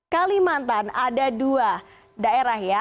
kalimantan ada dua daerah ya